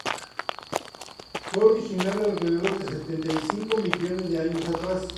Fue originado alrededor de setenta y cinco millones de años atrás.